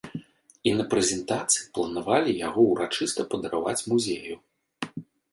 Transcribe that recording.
І на прэзентацыі планавалі яго ўрачыста падараваць музею.